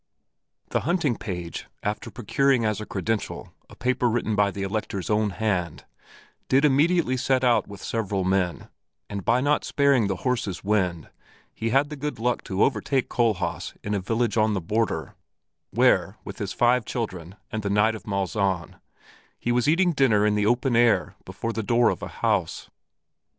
The hunting page, after procuring as a credential a paper written by the Elector's own hand, did immediately set out with several men, and by not sparing the horses' wind he had the good luck to overtake Kohlhaas in a village on the border, where with his five children and the Knight of Malzahn he was eating dinner in the open air before the door of a house.